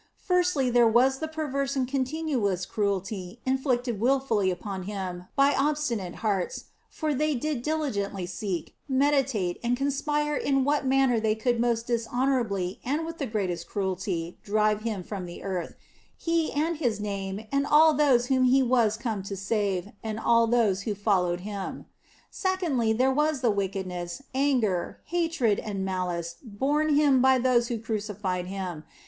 Firstly, there was the perverse and continuous cruelty inflicted wilfully upon Him by obstinate hearts, for they did diligently seek, meditate, and conspire in what manner they could most dishonourably and with the greatest cruelty drive Him from the earth, He and His name and all those whom He was come to save, and all those who followed Him. Secondly, there was the wickedness, anger, hatred, and malice borne Him by those who crucified Him.